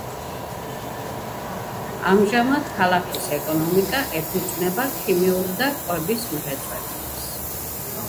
ამჟამად ქალაქის ეკონომიკა ეფუძნება ქიმიურ და კვების მრეწველობას.